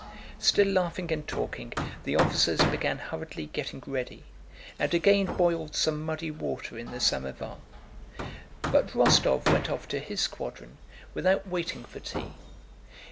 Still laughing and talking, the officers began hurriedly getting ready and again boiled some muddy water in the samovar. But Rostóv went off to his squadron without waiting for tea.